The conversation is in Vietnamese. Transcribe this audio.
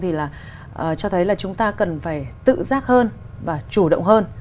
thì là cho thấy là chúng ta cần phải tự giác hơn và chủ động hơn